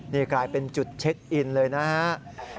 นี่กลายเป็นจุดเช็คอินเลยนะครับ